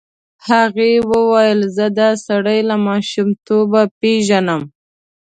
هغې وویل زه دا سړی له ماشومتوبه پېژنم.